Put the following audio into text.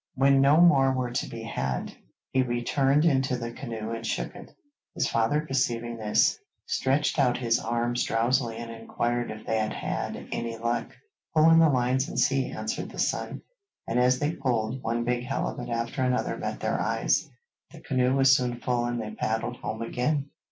When no more were to be had, he returned into the canoe and shook it; his father perceiving this, stretched out his arms drowsily and inquired if they had had any luck. 'Pull in the lines and see,' answered the son, and as they pulled, one big halibut after another met their eyes. The canoe was soon full, and they paddled home again.